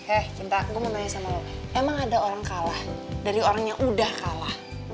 eh cinta aku mau nanya sama lo emang ada orang kalah dari orang yang udah kalah